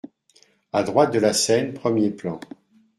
A droite de la scène, premier plan.